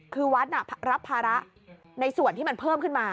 คือวัดรับภาระในส่วนที่มันเพิ่มขึ้นมา